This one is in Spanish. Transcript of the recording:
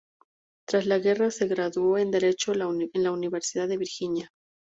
Tras la guerra se graduó en Derecho en la Universidad de Virginia.